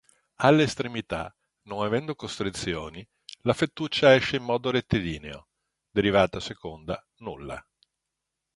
Alle estremità, non avendo costrizioni, la fettuccia esce in modo rettilineo: derivata seconda nulla.